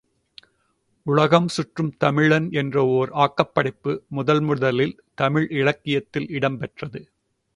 உலகம் சுற்றும் தமிழன் என்ற ஓர் ஆக்கப் படைப்பு முதல் முதலில் தமிழ் இலக்கியத்தில் இடம் பெற்றது.